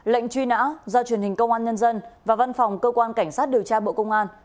lệnh truy nã do truyền hình công an nhân dân và văn phòng cơ quan cảnh sát điều tra bộ công an phối hợp thực hiện